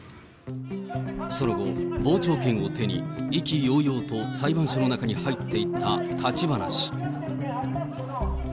その後、傍聴券を手に、意気揚々と裁判所の中に入っていった立花氏。